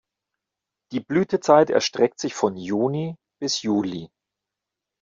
Die Blütezeit erstreckt sich von Juni bis Juli.